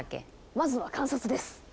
まずは観察です！